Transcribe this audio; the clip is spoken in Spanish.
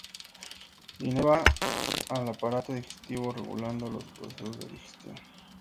Inerva al aparato digestivo, regulando los procesos de digestión.